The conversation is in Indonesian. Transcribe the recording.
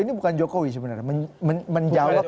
ini bukan jokowi sebenarnya menjawab